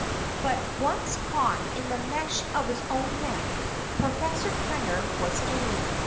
But once caught in the mesh of his own net, Professor Krenner was game.